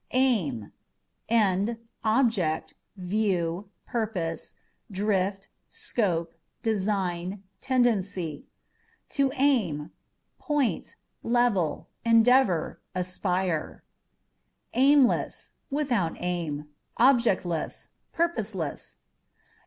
Aim â€" end, object, view, purpose, drift, scope, design, tendency. To Aim â€" point, level ; endeavour, aspire. Aimless â€" without aim, objectless, purposeless.